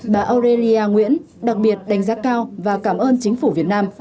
bà orelia nguyễn đặc biệt đánh giá cao và cảm ơn chính phủ việt nam